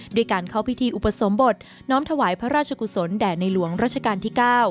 ด้วยการเข้าพิธีอุปสมบทน้อมถวายพระราชกุศลแด่ในหลวงราชการที่๙